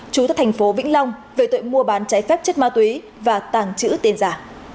chú tại thành phố vĩnh long về tội mua bán trái phép chất ma túy và tàng trữ tiền giả